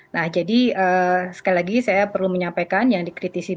nah jadi sekali lagi saya perlu menyampaikan yang dikritisi